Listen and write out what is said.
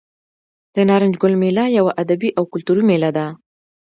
د نارنج ګل میله یوه ادبي او کلتوري میله ده.